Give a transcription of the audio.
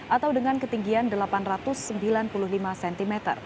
atau dengan ketinggian delapan ratus sembilan puluh lima cm